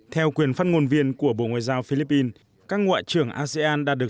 theo quyền phát ngôn viên của bộ ngoại giao philippines các ngoại trưởng asean đã được